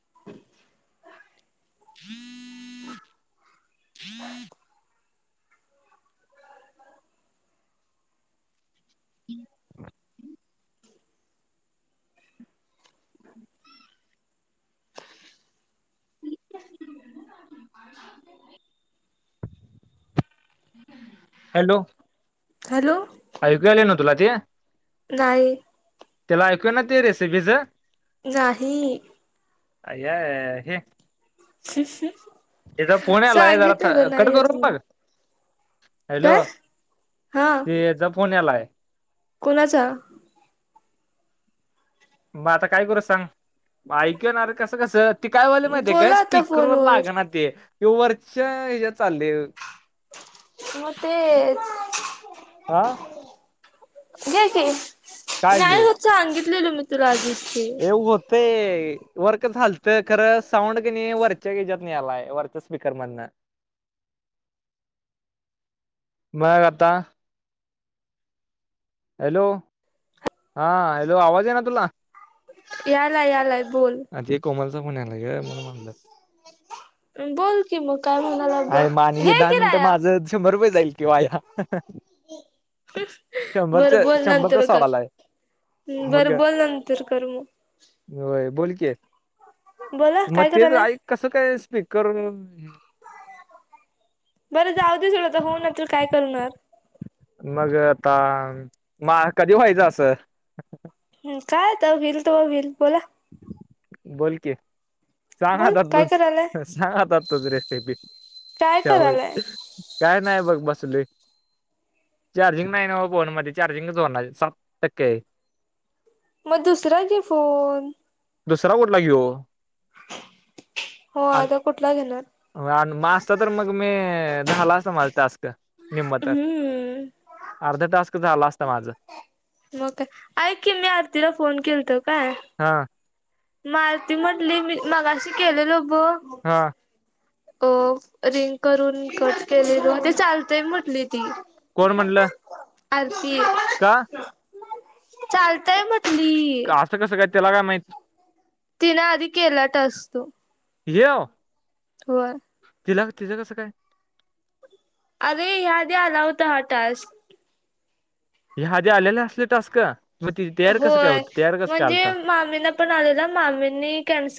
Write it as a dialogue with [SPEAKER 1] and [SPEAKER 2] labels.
[SPEAKER 1] [inaudible]
[SPEAKER 2] [inaudible] [unintelligible] Hello,
[SPEAKER 1] hello,
[SPEAKER 2] ऐकु यायले ना तुला ते,
[SPEAKER 1] नाहीय,
[SPEAKER 2] त्याला ऐकूयानाते रेसेपीच,
[SPEAKER 1] नाही,
[SPEAKER 2] अय्याया हे,
[SPEAKER 1] [inaudible]
[SPEAKER 2] ''त्याचा फोन यालय जरा
[SPEAKER 1] सांगितलेलं
[SPEAKER 2] कट
[SPEAKER 1] नाही येत
[SPEAKER 2] करू
[SPEAKER 1] म्हणून
[SPEAKER 2] मग, '' हॅलो,
[SPEAKER 1] काय हा
[SPEAKER 2] ते याचा फोन यालाय.
[SPEAKER 1] कोणाचा?
[SPEAKER 2] मग आता काय करू सांग, म ऐकणार कसं कसं, ''ते काय बोलले माहितीे काय,
[SPEAKER 1] बोला आता
[SPEAKER 2] स्पीकर वर
[SPEAKER 1] फोनवर
[SPEAKER 2] लाग ना ते वरच्या ह चालले, ''
[SPEAKER 1] म तेच,
[SPEAKER 2] हा
[SPEAKER 1] घे की,
[SPEAKER 2] काय घेऊ?
[SPEAKER 1] सांगितलेल मी तुला आधीच
[SPEAKER 2] ते.... ''वर का झालतं खरं, साऊंड क नाही वरच्या याच्यात नाही आलायं वरच्या स्पीकर मधन, '' मग आता, हॅलो, हा हॅलो आवाज येत ना तुला,
[SPEAKER 1] यालय यालय,
[SPEAKER 2] ''आधी कोमलचा फोन आलाय गं, म्हणून मागलं. ''
[SPEAKER 1] हं बोल कि, मग काय म्हणा-
[SPEAKER 2] ''आहे मानी, दहा मिनिटं माझं शंभर रुपये जाईल की वाया, ''
[SPEAKER 1] बरं बोल नंतर
[SPEAKER 2] सवाल
[SPEAKER 1] कर,
[SPEAKER 2] आहे. मग
[SPEAKER 1] बरं बोल नंतर कर मग,
[SPEAKER 2] होय बोलकी,
[SPEAKER 1] बोला
[SPEAKER 2] मग
[SPEAKER 1] काय
[SPEAKER 2] तेच
[SPEAKER 1] करायलाय
[SPEAKER 2] ऐक कसं काय स्पीकर-
[SPEAKER 1] बरं, जाऊ दे सोड होईना तर काय करणार,
[SPEAKER 2] मग आता, म कधी व्हायचं असं.
[SPEAKER 1] काय आता, होईल तेव्हा होईल बोला,
[SPEAKER 2] बोल की, सांग
[SPEAKER 1] बोल
[SPEAKER 2] आता
[SPEAKER 1] काय
[SPEAKER 2] तूच
[SPEAKER 1] करायलाय
[SPEAKER 2] त्या [unintelligible] वरची रेसिपी,
[SPEAKER 1] काय करायलाय
[SPEAKER 2] काय नाही बघ बसलोय. ''चार्जिंग नाही ना हो फोन मध्ये चार्जिंगच होणार सत्तर टक्के आहे. ''
[SPEAKER 1] मग दुसरा घे फोन,
[SPEAKER 2] दुसरा कुठला घेऊ?
[SPEAKER 1] हो
[SPEAKER 2] आन
[SPEAKER 1] आता कुठला घेणार?
[SPEAKER 2] ''आन असत तर मग मी झाला असत माझा टास्क, निम्मा तर, ''
[SPEAKER 1] हम्म
[SPEAKER 2] अर्ध टास्क झाला असत माझं
[SPEAKER 1] मग ऐक की मी आरतीला फोन केलतो काय,
[SPEAKER 2] हा,
[SPEAKER 1] मग आरती म्हटली मी मगाशी केलेलं बघ!
[SPEAKER 2] हां.
[SPEAKER 1] अ रिंग करून कट केले ते चालतय म्हटली ती,
[SPEAKER 2] कोण म्हणलं,
[SPEAKER 1] आरती,
[SPEAKER 2] का?
[SPEAKER 1] चालतेय म्हटली,
[SPEAKER 2] का असं कसं काय तिला काय माहित?
[SPEAKER 1] तिनं आधी केला टास्क,
[SPEAKER 2] ह्यो,
[SPEAKER 1] होय.
[SPEAKER 2] तिला, तिज कसं काय?
[SPEAKER 1] अरे ह्या आधी आला होता हा टास्क.
[SPEAKER 2] हे आधी आलेले असले टास्क? मग ति तयार कसं काय
[SPEAKER 1] होय,
[SPEAKER 2] होत तयार कसं काय आलता
[SPEAKER 1] म्हणजे मामींना पण आलेलं मामींनी कॅन्सल,